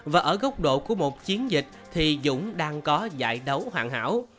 và ở góc độ của một chiến dịch thì dũng đang có giải đấu hoàn hảo